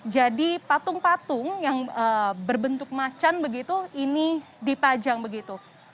jadi patung patung yang berbentuk macan begitu ini dipajang begitu